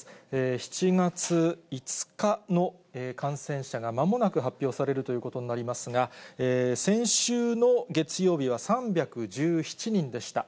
７月５日の感染者がまもなく発表されるということになりますが、先週の月曜日は３１７人でした。